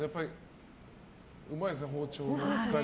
うまいですね、包丁の扱い。